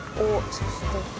そして」